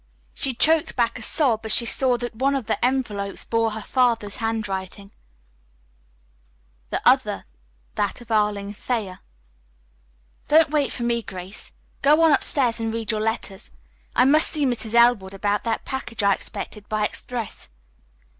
She choked back a sob as she saw that one of the envelopes bore her father's handwriting, the other that of Arline Thayer. "Don't wait for me, Grace. Go on upstairs and read your letters. I must see Mrs. Elwood about that package I expected by express."